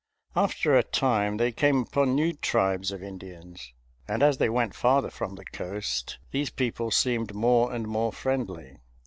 After a time they came upon new tribes of Indians, and as they went farther from the coast these people seemed more and more friendly.